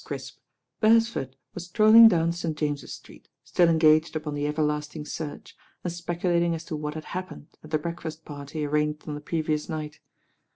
Critp, Beresford was strolling down St. James's Street, still engaged upon the everlasting search, and speculating as to what had happened at the breakfast partv arranged on the previous night.